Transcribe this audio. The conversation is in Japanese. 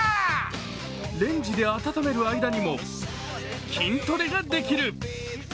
レンジで温める間にも筋トレができる。